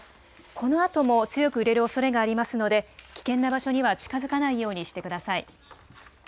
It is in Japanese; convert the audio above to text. このあとも強く揺れるおそれがありますので危険な場所には近づかないようにしてください。